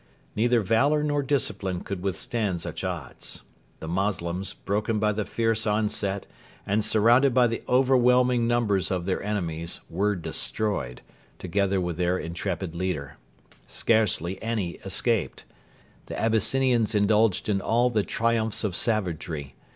Neither valour nor discipline could withstand such odds. The Moslems, broken by the fierce onset and surrounded by the overwhelming numbers of their enemies, were destroyed, together with their intrepid leader. Scarcely any escaped. The Abyssinians indulged in all the triumphs of savagery.